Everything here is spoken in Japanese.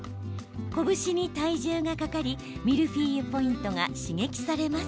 拳に体重がかかりミルフィーユポイントが刺激されます。